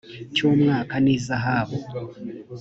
cy umwaka n ihazabu